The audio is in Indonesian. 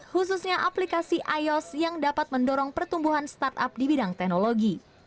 khususnya aplikasi ios yang dapat mendorong pertumbuhan startup di bidang teknologi